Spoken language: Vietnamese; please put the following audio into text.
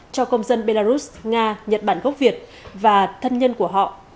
cho công dân belarus nga nhật bản gốc việt và thân nhân của họ